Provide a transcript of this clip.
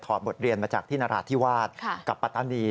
บทเรียนมาจากที่นราธิวาสกับปัตตานี